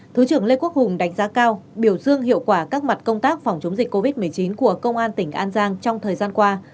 thứ trưởng lê quốc hùng đánh giá cao biểu dương hiệu quả các mặt công tác phòng chống dịch covid một mươi chín của công an tỉnh an giang trong thời gian qua